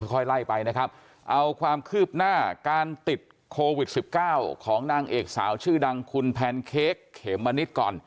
ค่อยไล่ไปนะครับเอาความคืบหน้าการติดโควิด๑๙ของนางเอกสาวชื่อดังคุณแพนเค้กเขมมะนิดก่อน